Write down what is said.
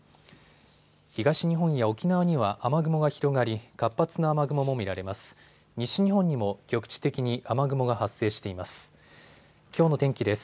東日本や沖縄には雨雲が広がり活発な雨雲も見られます。